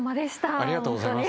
ありがとうございます。